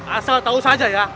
asal tahu saja ya